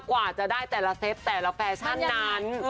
กว่าจะได้แต่ละเซตแต่ละแฟชั่นนั้น